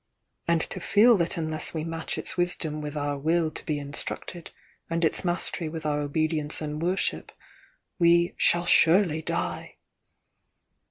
"And to feel that unless we match its wisdom with our will to be instructed, and its mastery with our obedience and worship, we 'shall surely die'!"